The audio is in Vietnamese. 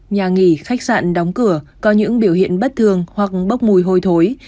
nhà nghỉ khách sạn đóng cửa có những biểu hiện bất thường hoặc bốc mùi hôi thối